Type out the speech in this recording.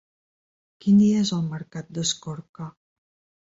Quin dia és el mercat d'Escorca?